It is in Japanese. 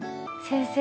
先生